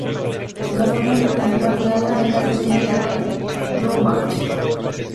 La forma rectangular del ala era diseño de Adolf Rohrbach.